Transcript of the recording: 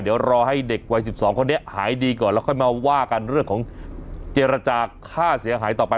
เดี๋ยวรอให้เด็กวัย๑๒คนนี้หายดีก่อนแล้วค่อยมาว่ากันเรื่องของเจรจาค่าเสียหายต่อไป